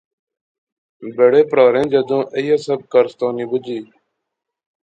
بڑے پراہریں جدوں ایہہ سب کارستانی بجی